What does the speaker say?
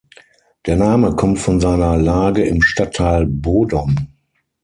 Der Name kommt von seiner Lage im Stadtteil Bodom.